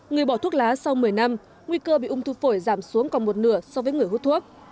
người bỏ thuốc lá sau một mươi năm nguy cơ bị ung thư phổi giảm xuống còn một nửa so với người hút thuốc